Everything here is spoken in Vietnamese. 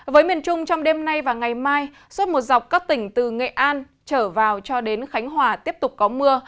với miền trung trong đêm nay và ngày mai suốt một dọc các tỉnh từ nghệ an trở vào cho đến khánh hòa tiếp tục có mưa